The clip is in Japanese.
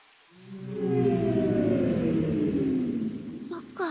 そっか。